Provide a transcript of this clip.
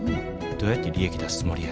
どうやって利益出すつもりや。